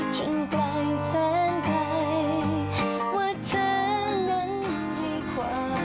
จนกลายแสนไปว่าเธอนั้นดีกว่า